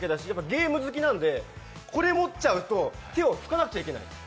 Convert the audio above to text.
ゲーム好きなんで、これ持っちゃうと手を拭かなくちゃいけない。